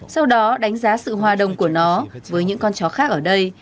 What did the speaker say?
sau đó đánh giá sự hòa đồng của nó với những con chó khác ở đây